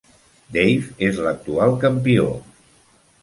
Dave és l'actual campió.